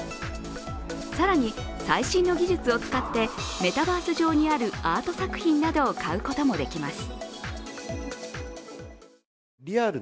更に、最新の技術を使ってメタバース上にあるアート作品などを買うこともできます。